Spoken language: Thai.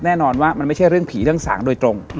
แน่นอนว่ามันไม่ใช่เรื่องผีเรื่องสางโดยตรง